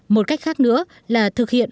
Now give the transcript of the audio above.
một cách khác nữa là thực hiện